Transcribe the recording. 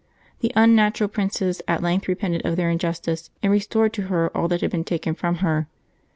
The unnatural princes at length repented of their injustice, and restored to her all that had been taken from her.